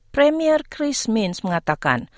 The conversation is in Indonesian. premier chris mintz mengatakan